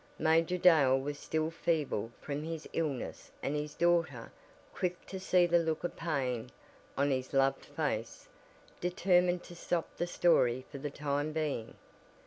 Major Dale was still feeble from his illness and his daughter, quick to see the look of pain on his loved face, determined to stop the story for the time being.